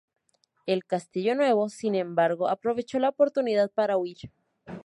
El "Castillo Nuevo", sin embargo, aprovechó la oportunidad para huir.